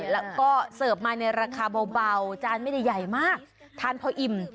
แล้วก็เสิร์ฟมาในราคาเบาจานไม่ได้ใหญ่มากทานพออิ่ม